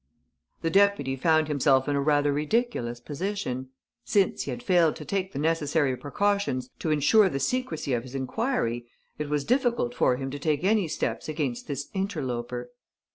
The deputy found himself in a rather ridiculous position. Since he had failed to take the necessary precautions to ensure the secrecy of his enquiry, it was difficult for him to take any steps against this interloper.